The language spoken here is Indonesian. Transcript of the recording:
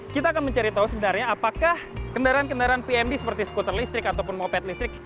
kita akan mencari tahu sebenarnya apakah kendaraan kendaraan pmd seperti skuter listrik ataupun moped listrik